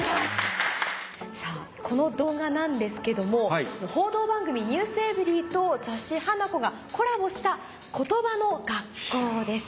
さぁこの動画なんですけども報道番組『ｎｅｗｓｅｖｅｒｙ．』と雑誌『Ｈａｎａｋｏ』がコラボした『コトバの学校』です。